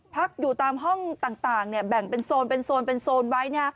พักอยู่ตามห้องต่างแบ่งเป็นโซนเป็นโซนเป็นโซนไว้